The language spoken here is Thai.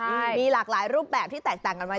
มีหลากหลายรูปแบบที่แตกต่างกันไว้